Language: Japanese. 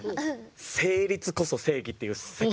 成立こそ正義っていう世界。